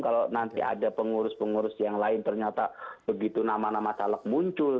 kalau nanti ada pengurus pengurus yang lain ternyata begitu nama nama caleg muncul